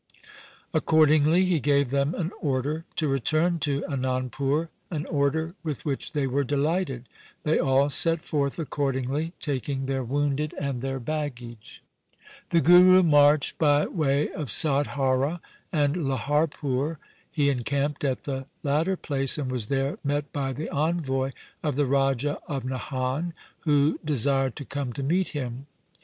Accordingly he gave them an order to return to Anandpur, an order with which they were delighted. They all set forth accordingly, taking their wounded and their baggage. LIFE OF GURU GOBIND SINGH 47 The Guru marched by way of Sadhaura and Lahar pur. He encamped at the latter place, and was there met by the envoy of the Raja of Nahan, who desired to come to meet him.